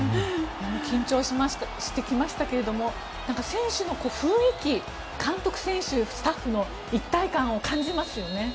緊張してきましたけれども選手の雰囲気監督、選手、スタッフの一体感を感じますね。